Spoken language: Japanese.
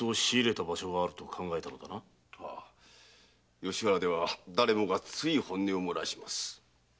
吉原では誰もがつい本音を漏らします。